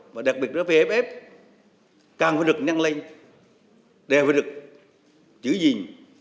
và đặc biệt đó vff càng phải được nhanh lên đều phải được chữ gìn